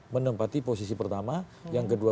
menempati posisi pertama yang kedua